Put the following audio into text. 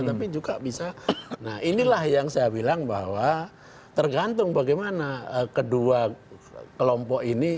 tapi juga bisa nah inilah yang saya bilang bahwa tergantung bagaimana kedua kelompok ini